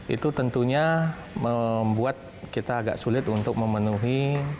itu tentunya membuat kita agak sulit untuk memenuhi